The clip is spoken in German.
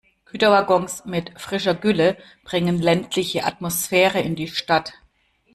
Güterwaggons mit frischer Gülle bringen ländliche Atmosphäre in die Stadt.